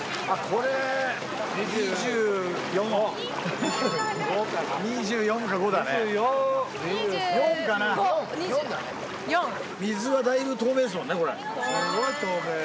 これすごい透明